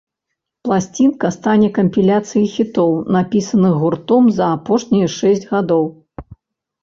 Пласцінка стане кампіляцыяй хітоў, напісаных гуртом за апошнія шэсць гадоў.